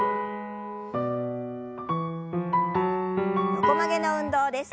横曲げの運動です。